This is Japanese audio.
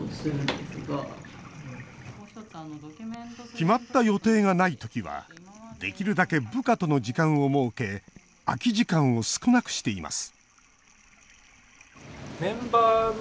決まった予定がない時はできるだけ部下との時間を設け空き時間を少なくしています